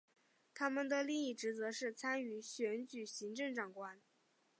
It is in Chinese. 他们的另一职责是参与选举行政长官。